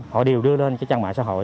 họ đều đưa lên cái trang mạng xã hội